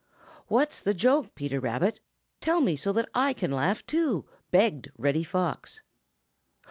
"What's the joke, Peter Rabbit? Tell me so that I can laugh too," begged Reddy Fox.